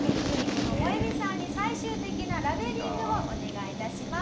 このモエミさんに最終的なラベリングをお願い致します。